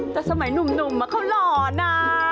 แต่สมัยหนุ่มเขาหล่อนะ